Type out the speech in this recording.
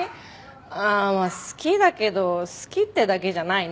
ああ好きだけど好きってだけじゃないね。